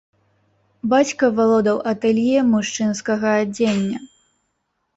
Бацька валодаў атэлье мужчынскага адзення.